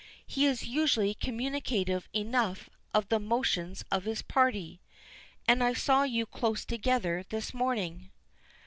He is usually communicative enough of the motions of his party; and I saw you close together this morning."